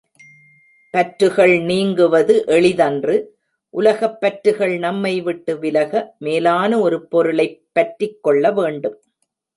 பற்றுகள் நீங்குவது எளிதன்று உலகப் பற்றுகள் நம்மைவிட்டு விலக மேலான ஒரு பொருளைப் பற்றிக் கொள்ளவேண்டும்.